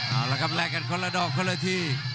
เอาละครับแลกกันคนละดอกคนละที